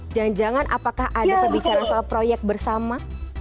jangan jangan apakah ada pembicaraan soal proyek bersama